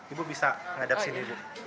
ibu bisa menghadap sini